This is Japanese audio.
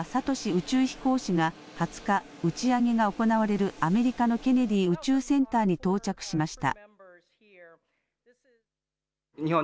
宇宙飛行士が２０日、打ち上げが行われるアメリカのケネディ宇宙センターに到着しました。